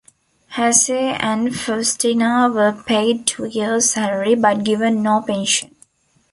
Hasse and Faustina were paid two years' salary but given no pension.